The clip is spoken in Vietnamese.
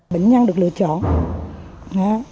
bệnh nhân được lựa chọn